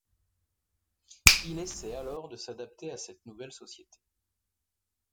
Il essaie alors de s'adapter à cette nouvelle société.